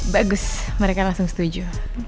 bagus mereka langsung setuju